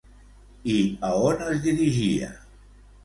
I a on es dirigia?